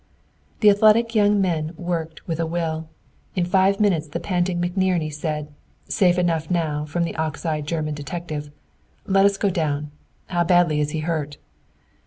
The athletic young men worked with a will. In five minutes the panting McNerney said, "Safe enough now from the ox eyed German detective! Let us go down. How badly is he hurt?"